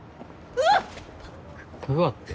うわって。